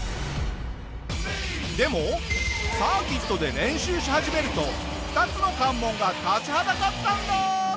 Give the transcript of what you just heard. でもサーキットで練習し始めると２つの関門が立ちはだかったんだ！